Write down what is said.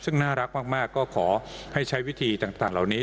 ซึ่งน่ารักมากก็ขอให้ใช้วิธีต่างเหล่านี้